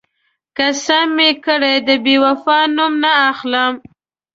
قسم مې کړی، د بېوفا نوم نه اخلم.